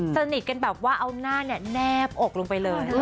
สนิทกันแบบว่าเอาหน้าแนบอกลงไปเลย